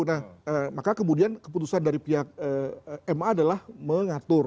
nah maka kemudian keputusan dari pihak ma adalah mengatur